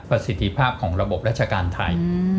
สิทธิภาพของระบบราชการไทย